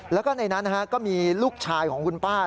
แล้วก็ในนั้นก็มีลูกชายของคุณป้า